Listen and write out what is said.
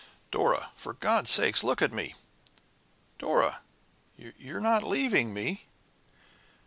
"Dora for God's sake look at me! Dora you're not leaving me?"